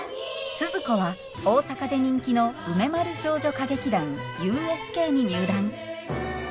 スズ子は大阪で人気の梅丸少女歌劇団ＵＳＫに入団。